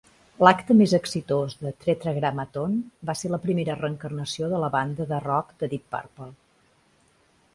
L'acte més exitós de Tetragrammaton va ser la primera reencarnació de la banda de roc de Deep Purple.